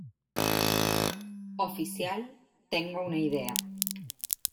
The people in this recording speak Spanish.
oficial, tengo una idea.